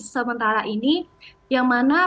sementara ini yang mana